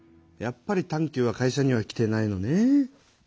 やっぱりＴａｎ−Ｑは会社には来てないのね。